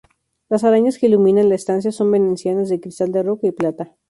Las arañas que iluminan la estancia son venecianas, de cristal de roca y plata.